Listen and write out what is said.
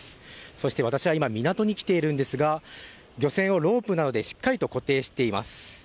そして私は今港に来ているんですが漁船をロープなどでしっかり固定しています。